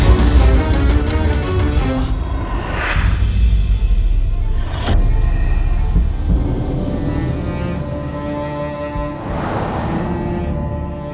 kekuatan itu sudah mati